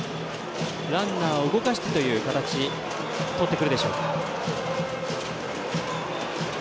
ランナーを動かしてという形をとってくるでしょうか。